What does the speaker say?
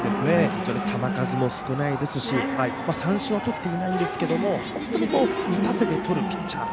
非常に球数も少ないですし三振をとってはいないんですけど本当に打たせてとるピッチャー。